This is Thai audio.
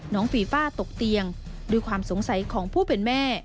ฟีฟ่าตกเตียงด้วยความสงสัยของผู้เป็นแม่